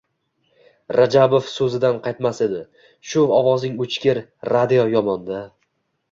— Rajabov so‘zidan qaytmas edi. Shu, ovozing o‘chgur... radio yomon-da.